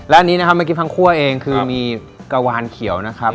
และอันนี้นะครับเมื่อกี้พังคั่วเองคือมีกะวานเขียวนะครับ